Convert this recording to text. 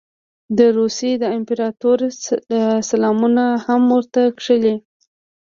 د روسیې د امپراطور سلامونه هم ورته کښلي.